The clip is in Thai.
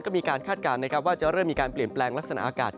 ก็มีการคาดการณ์นะครับว่าจะเริ่มมีการเปลี่ยนแปลงลักษณะอากาศ